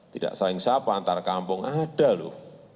tidak saling sapa antar kampung ada loh